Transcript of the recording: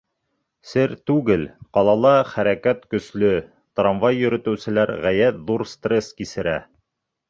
Сер түгел, ҡалала хәрәкәт көслө, трамвай йөрөтөүселәр ғәйәт ҙур стресс кисерә.